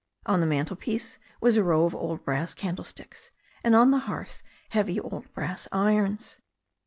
On the mantelpiece was a row of old brass candlesticks, and on the hearth heavy old brass irons.